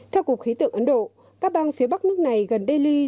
theo cục khí tượng ấn độ các bang phía bắc nước này gần delhi